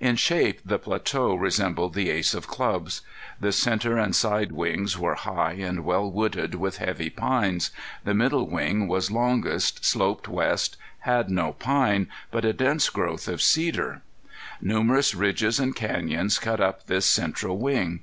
In shape the plateau resembled the ace of clubs. The center and side wings were high and well wooded with heavy pines; the middle wing was longest, sloped west, had no pine, but a dense growth of cedar. Numerous ridges and canyons cut up this central wing.